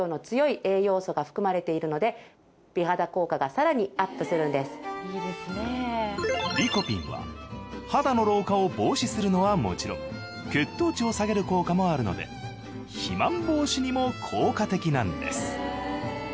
更にリコピンは肌の老化を防止するのはもちろん血糖値を下げる効果もあるので肥満防止にも効果的なんです。